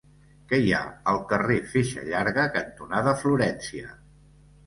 Què hi ha al carrer Feixa Llarga cantonada Florència?